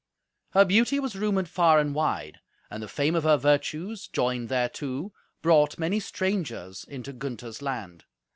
Her beauty was rumoured far and wide, and the fame of her virtues, joined thereto, brought many strangers into Gunther's land.